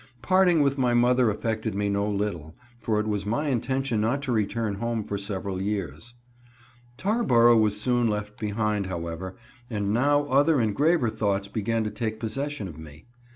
Parting with my mother affected me no little, for it was my intention not to return home for several years. Tarboro was soon left behind, however, and now other and graver thoughts began to take possession of me.